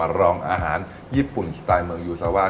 มาลองอาหารญี่ปุ่นที่ใต้เมืองยูซาว่า